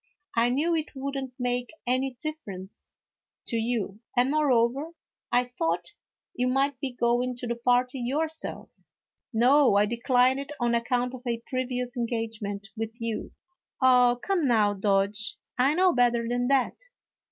I knew it would n't make any difference to you, and, moreover, I thought you might be going to the party yourself." " No, I declined on account of a previous engage ment with you." 244 A HALLOWE'EN PARTY. " Oh, come now, Dodge, I know better than that."